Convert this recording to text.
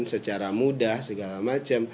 secara mudah segala macam